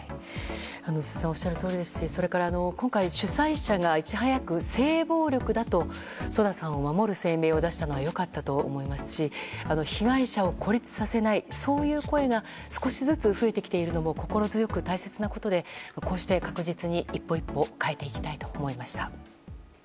辻さんがおっしゃるとおりですし今回主催者がいち早く性暴力だとＳＯＤＡさんを守る声明を出したのは良かったと思いますし被害者を孤立させないそういう声が少しずつ増えてきているのも心強く、大切なことでこうして確実に一歩一歩変えていきたいと思いました。